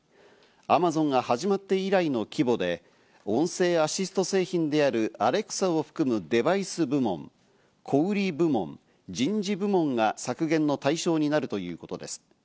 アマゾンが始まって以来の規模で、音声アシスト製品である、アレクサを含むデバイス部門、小売部門、人事部門が削減の対象になるということです。